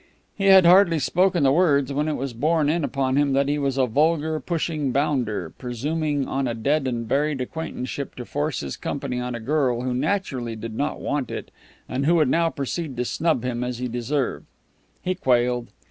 He had hardly spoken the words when it was borne in upon him that he was a vulgar, pushing bounder, presuming on a dead and buried acquaintanceship to force his company on a girl who naturally did not want it, and who would now proceed to snub him as he deserved. He quailed.